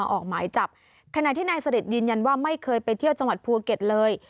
ออกหมายจับขณะที่นายสนิทยืนยันว่าไม่เคยไปเที่ยวจังหวัดภูเก็ตเลย